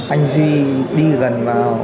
anh duy đi gần vào